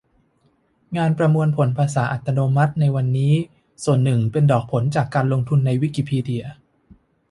งานประมวลผลภาษาอัตโนมัติในวันนี้ ส่วนหนึ่งเป็นดอกผลจากการลงทุนในวิกิพีเดีย